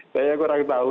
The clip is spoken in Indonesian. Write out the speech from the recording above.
saya kurang tahu